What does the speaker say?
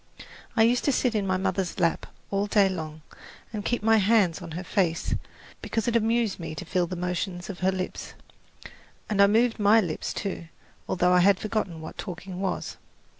I used to sit in my mother's lap all day long and keep my hands on her face because it amused me to feel the motions of her lips; and I moved my lips, too, although I had forgotten what talking was.